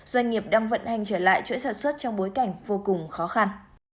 doanh nghiệp đang vận hành trở lại chuỗi sản xuất trong bối cảnh vô cùng khó khăn